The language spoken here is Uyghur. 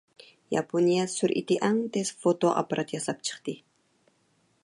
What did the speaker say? ياپونىيە سۈرئىتى ئەڭ تېز فوتو ئاپپارات ياساپ چىقتى.